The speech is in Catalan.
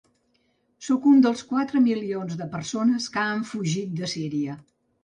Sóc un dels quatre milions de persones que han fugit de Síria.